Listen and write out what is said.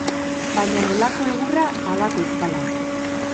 Baina nolako egurra, halako ezpala.